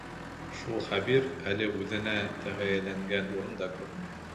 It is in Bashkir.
Шул Хәбир әле үҙенә тәғәйенләнгән урында күренмәй.